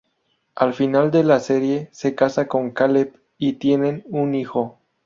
Al final de la serie se casa con Caleb y tienen un hijo.